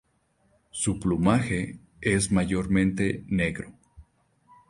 Su plumaje es mayormente negro.